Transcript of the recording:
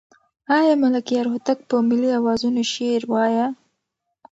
آیا ملکیار هوتک په ملي اوزانو شعر وایه؟